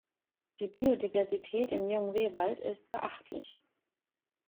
Die Biodiversität im Nyungwe-Wald ist beachtlich.